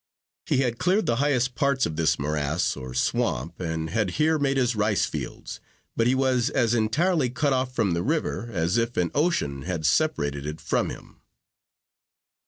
He had cleared the highest parts of this morass, or swamp, and had here made his rice fields; but he was as entirely cut off from the river, as if an ocean had separated it from him.